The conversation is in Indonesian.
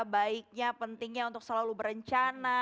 baiknya pentingnya untuk selalu berencana